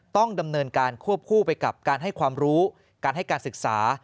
ต้องดำเนินการควบคู่ไปกับการให้ความรู้การให้การศึกษา